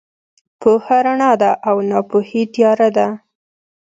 پوهه رڼا ده او ناپوهي تیاره ده.